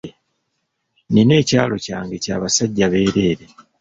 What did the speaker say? Nina ekyalo kyange kya basajja bereere.